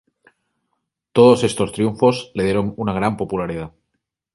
Todos estos triunfos le dieron una gran popularidad.